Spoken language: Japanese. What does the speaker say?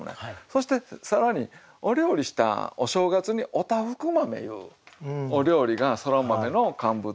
そして更にお料理したお正月にお多福豆いうお料理がそら豆の乾物を甘く